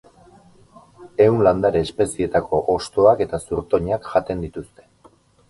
Ehun landare espezietako hostoak eta zurtoinak jaten dituzte.